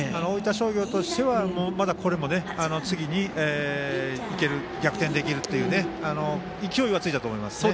商業としては、まだこれで次にいける、逆転できるという勢いはついたと思います。